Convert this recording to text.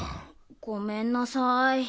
ごめんなさい。